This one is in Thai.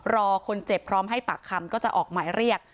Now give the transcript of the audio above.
รอคนเจ็บพร้อมให้ปากคำก็จะออกหมายเรียก